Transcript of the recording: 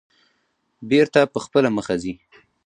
بېرته په خپله مخه ځي.